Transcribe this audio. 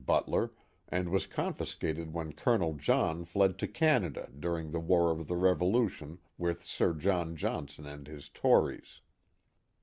Butler, and was confiscated when Colonel John fled to Canada, during the war of the Revolu tion, with Sir John Johnson and his tories.